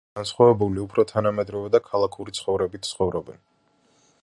ისინი განსხვავებული, უფრო თანამედროვე და ქალაქური ცხოვრებით ცხოვრობენ.